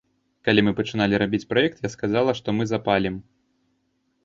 Калі мы пачыналі рабіць праект, я сказала, што мы запалім.